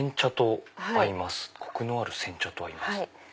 「コクのある煎茶と合います」。